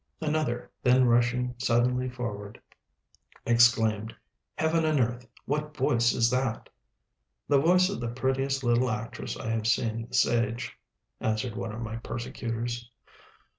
Another, then rushing suddenly forward, exclaimed, "Heaven and earth! what voice is that?" "The voice of the prettiest little actress I have seen this age," answered one of my persecutors.